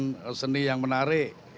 kegiatan kegiatan seni yang menarik